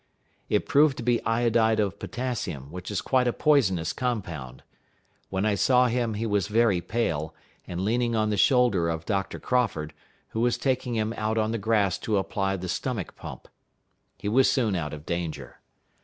It proved to be iodide of potassium, which is quite a poisonous compound. When I saw him, he was very pale, and leaning on the shoulder of Dr. Crawford, who was taking him out on the grass to apply the stomach pump. He was soon out of danger.